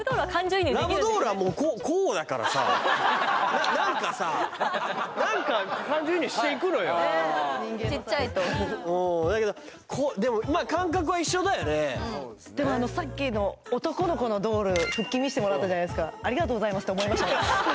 ラブドールはもうこうだからさ何かさ何か感情移入していくのよちっちゃいとだけどでも感覚は一緒だよねでもさっきの男の子のドール腹筋見せてもらったじゃないですかありがとうございますって思いました